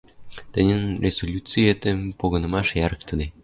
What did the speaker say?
Тӹньӹн резолюциэтӹм погынымаш ярыктыде...